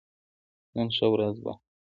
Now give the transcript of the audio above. نن ښه ورځ وه